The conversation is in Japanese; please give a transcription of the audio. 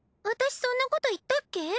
私そんなこと言ったっけ？